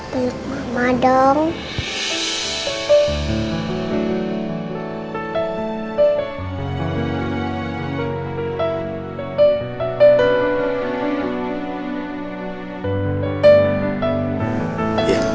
belut mama dong